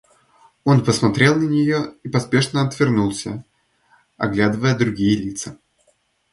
Он посмотрел на нее и поспешно отвернулся, оглядывая другие лица.